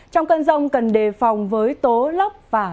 trong cơn rông cần đề phòng với tố